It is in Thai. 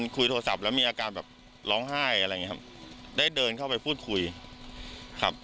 คุยโทรศัพท์แล้วมีอาการแบบร้องไห้อะไรอย่างเงี้ครับได้เดินเข้าไปพูดคุยครับ